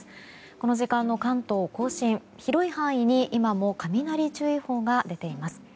この時間の関東・甲信広い範囲に今も雷注意報が出ています。